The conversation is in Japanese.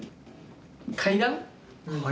階段？